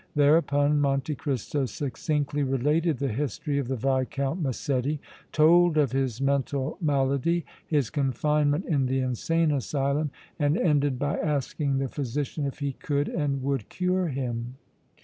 Thereupon Monte Cristo succinctly related the history of the Viscount Massetti, told of his mental malady, his confinement in the insane asylum and ended by asking the physician if he could and would cure him.